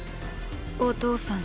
お父さんに。